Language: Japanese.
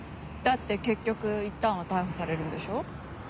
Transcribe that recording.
だって結局いったんは逮捕されるんでしょ？